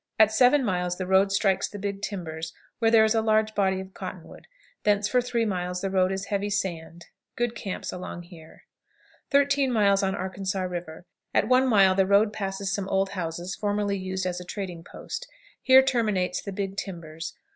At seven miles the road strikes the "Big Timbers," where there is a large body of cottonwood; thence for three miles the road is heavy sand. Good camps along here. 13. Arkansas River. At one mile the road passes some old houses formerly used as a trading post. Here terminates the "Big Timbers."